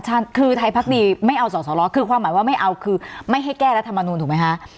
ใช่คือไทยพักดีไม่เอาสอสอรอคือความหมายว่าไม่เอาคือไม่ให้แก้รัฐมนูลถูกไหมคะ